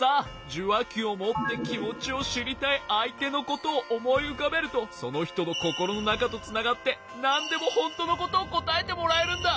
じゅわきをもってきもちをしりたいあいてのことをおもいうかべるとそのひとのココロのなかとつながってなんでもほんとのことをこたえてもらえるんだ。